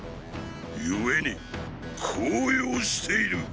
故に高揚している！